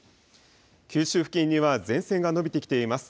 九州付近には前線が延びてきています。